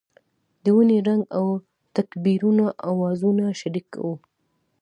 د وینې رنګ او تکبیرونو اوازونه شریک وو.